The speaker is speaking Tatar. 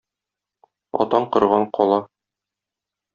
Атаң корган кала